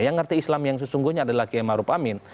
yang ngerti islam yang sesungguhnya adalah qiyam arub amin